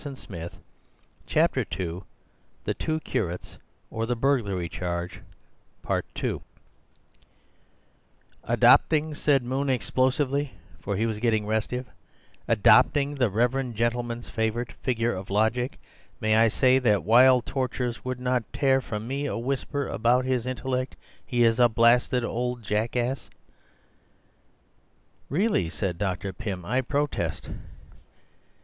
Yet a glance round the room, revealing ranks of debased and envious faces—" "Adopting," said Moon explosively, for he was getting restive—"adopting the reverend gentleman's favourite figure of logic, may I say that while tortures would not tear from me a whisper about his intellect, he is a blasted old jackass." "Really!" said Dr. Pym; "I protest."